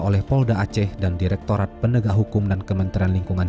oleh polda aceh dan direktorat penegak hukum dan kementerian lingkungan